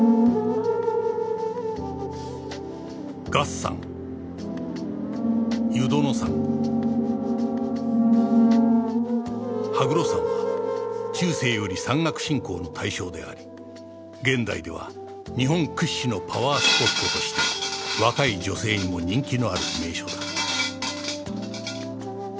月山湯殿山羽黒山は中世より山岳信仰の対象であり現代では日本屈指のパワースポットとして若い女性にも人気のある名所だ